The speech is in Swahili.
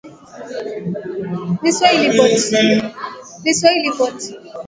Maisha halisi ya Vasco da Gama